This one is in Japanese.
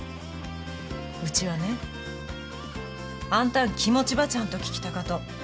うちはね、あんたの気持ちばちゃんと聞きたかと。